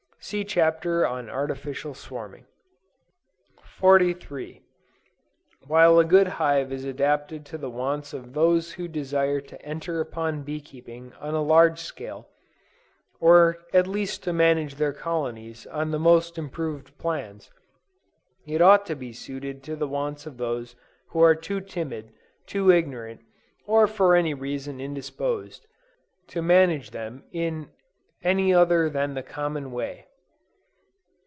(See Chapter on Artificial Swarming.) 43. While a good hive is adapted to the wants of those who desire to enter upon bee keeping on a large scale, or at least to manage their colonies on the most improved plans, it ought to be suited to the wants of those who are too timid, too ignorant, or for any reason indisposed, to manage them in any other than the common way.